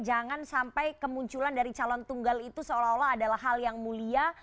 jangan sampai kemunculan dari calon tunggal itu seolah olah adalah hal yang mulia